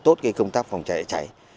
tốt cái công tác phòng cháy cháy